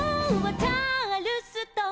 「チャールストン」